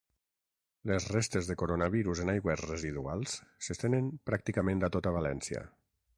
Les restes de coronavirus en aigües residuals s’estenen ‘pràcticament a tota València’